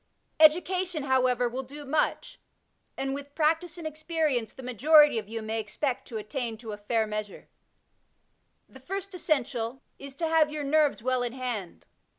Education, however, will do much ; and with practice and ei^rience the majority of you may expect to attain to a fair measure. The first essential is to have your nerves well in hand.